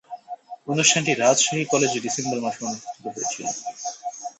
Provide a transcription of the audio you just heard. অনুষ্ঠানটি রাজশাহী কলেজে ডিসেম্বর মাসে অনুষ্ঠিত হয়েছিলো।